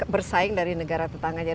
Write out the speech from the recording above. bersaing dari negara tetangganya